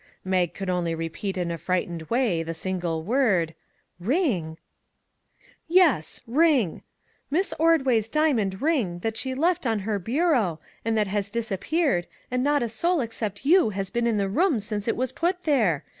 Mag could only repeat in a frightened way the single word :" Ring !"" Yes, ring. Miss Ordway's diamond ring, that she left on her bureau, and that has dis appeared, and not a soul except you has been in the room since it was put there.